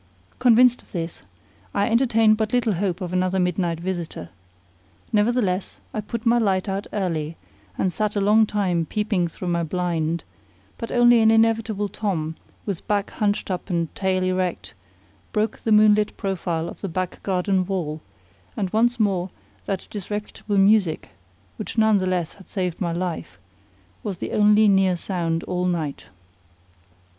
Convinced of this, I entertained but little hope of another midnight visitor. Nevertheless, I put my light out early, and sat a long time peeping through my blind; but only an inevitable Tom, with back hunched up and tail erect, broke the moonlit profile of the back garden wall; and once more that disreputable music (which none the less had saved my life) was the only near sound all night.